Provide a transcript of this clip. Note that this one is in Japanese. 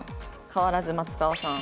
変わらず松川さん。